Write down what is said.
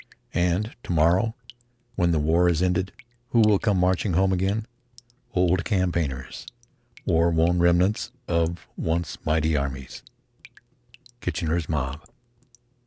And to morrow, when the war is ended, who will come marching home again, old campaigners, war worn remnants of once mighty armies? "Kitchener's Mob."